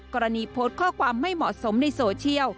โพสต์ข้อความไม่เหมาะสมในโซเชียล